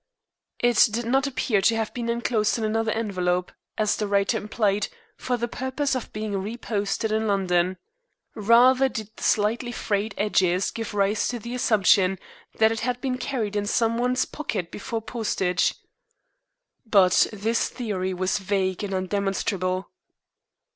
It did not appear to have been enclosed in another envelope, as the writer implied, for the purpose of being re posted in London. Rather did the slightly frayed edges give rise to the assumption that it had been carried in some one's pocket before postage. But this theory was vague and undemonstrable.